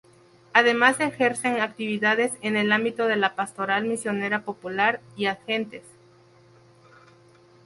Además ejercen actividades en el ámbito de la pastoral misionera popular y "ad gentes".